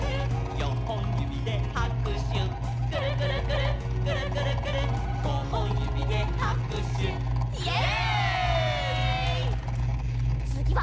「よんほんゆびではくしゅ」「くるくるくるっくるくるくるっごほんゆびではくしゅ」イエイ！